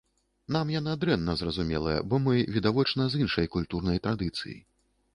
Нам яна дрэнна зразумелая, бо мы, відавочна, з іншай культурнай традыцыі.